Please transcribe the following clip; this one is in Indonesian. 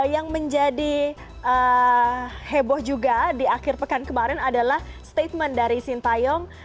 yang menjadi heboh juga di akhir pekan kemarin adalah statement dari sintayong